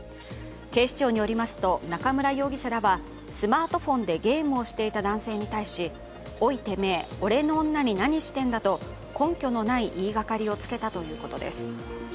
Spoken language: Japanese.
警視庁によりますと中村容疑者らはスマートフォンでゲームをしていた男性に対しおいてめえ、俺の女に何してんだと根拠のない言いがかりをつけたということです。